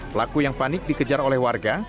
pelaku yang panik dikejar oleh warga